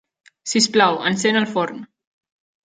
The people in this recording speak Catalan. Sisplau, encén el forn.